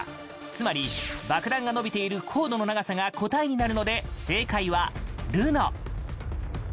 つまり爆弾が伸びているコードの長さが答えになるので正解は「ルノ」。